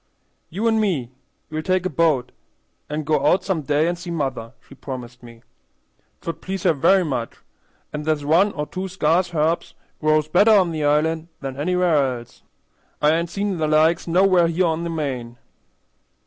"You an' me, we'll take a bo't an' go out some day and see mother," she promised me. "'Twould please her very much, an' there's one or two sca'ce herbs grows better on the island than anywhere else. I ain't seen their like nowheres here on the main."